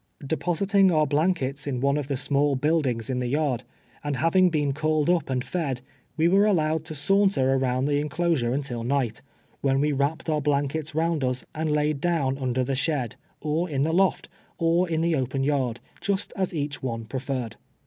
Depositing our blankets in one of the small FIRST NTGHT IN OT:W 0ELEANS. 77 buildings in the yard, and liaviiig been called up and fed, we were allowed to saunter about tlie enclosure until niglit, when we wrapped our blankets round us and laid down under the shed, or in the loft, or in the open yard, just as each one preferred.